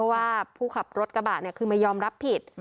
ว่าผู้ขับรถกระบะคือไม่ยอมรับผิด